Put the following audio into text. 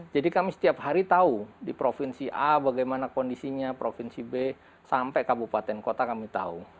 jadi kami setiap hari tahu di provinsi a bagaimana kondisinya provinsi b sampai kabupaten kota kami tahu